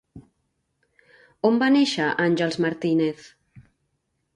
On va néixer Àngels Martínez?